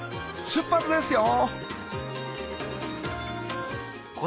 出発ですよ！